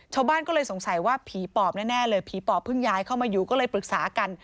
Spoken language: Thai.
ชาวบ้านก็เลยสงสัยว่าผีปอบแน่เลยผีปอบเพิ่งย้ายเข้ามาอยู่ก็เลยปรึกษากัน